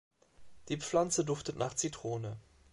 Die Pflanze duftet nach Zitrone.